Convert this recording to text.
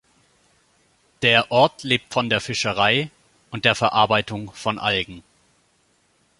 Der Ort lebt von der Fischerei und der Verarbeitung von Algen.